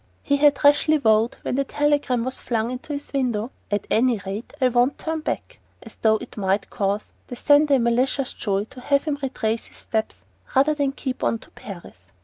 He had rashly vowed, when the telegram was flung into his window: "At any rate I won't turn back" as though it might cause the sender a malicious joy to have him retrace his steps rather than keep on to Paris!